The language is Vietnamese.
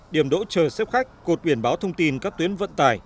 điểm đỗ chờ xếp khách cột biển báo thông tin các tuyến vận tải